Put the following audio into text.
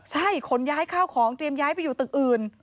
ใช่ขนย้ายข้าวของเตรียมย้ายไปอยู่ตึกอื่น